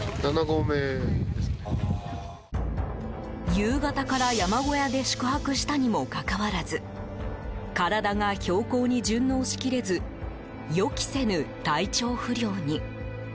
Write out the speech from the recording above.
夕方から山小屋で宿泊したにもかかわらず体が標高に順応しきれず予期せぬ体調不良に。